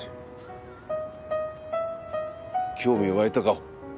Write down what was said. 興味湧いたか？